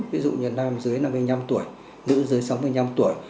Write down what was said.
ví dụ như nam dưới năm mươi năm tuổi nữ dưới sáu mươi năm tuổi